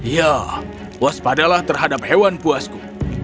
ya waspadalah terhadap hewan puasku